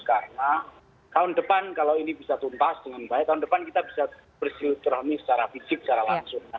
karena tahun depan kalau ini bisa tuntas dengan baik tahun depan kita bisa bersilap rohmi secara fisik secara langsung